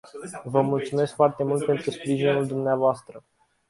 Vă mulțumesc foarte mult pentru sprijinul dvs.